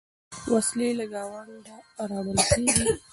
وسلې له ګاونډه راوړل کېږي.